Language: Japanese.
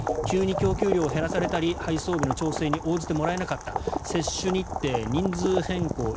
急に供給量を減らされたり配送日調整に応じてもらえなかった接種日程や人数変更